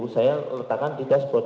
saya letakkan di dashboard